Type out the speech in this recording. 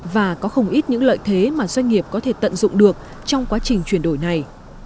và có không ít những lợi thế mà doanh nghiệp có thể tận dụng được trong quá trình chuyển đổi này